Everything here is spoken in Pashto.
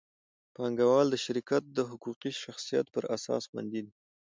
پانګهوال د شرکت د حقوقي شخصیت پر اساس خوندي دي.